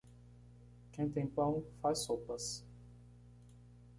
Quem tem pão, faz sopas.